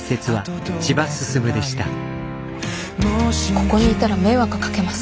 ここにいたら迷惑かけます。